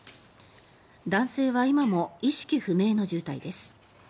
男性は今も意識不明の重体です。